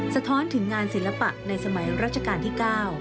สะท้อนถึงงานศิลปะในสมัยรัชกาลที่๙